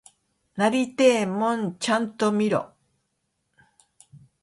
なりてえもんちゃんと見ろ！